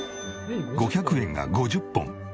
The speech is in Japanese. ５００円が５０本。